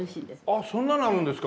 あっそんなのあるんですか。